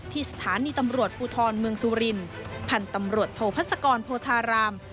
ที่สถานีตำรวจภูทรเมืองสุรินพันธ์ตำรวจโทพัศกรโพธาราม